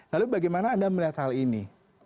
lalu bagaimana anda melihat hal ini